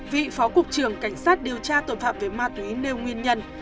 vị phó cục trưởng cảnh sát điều tra tội phạm về ma túy nêu nguyên nhân